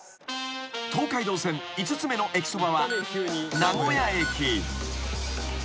［東海道線５つ目の駅そばは名古屋駅］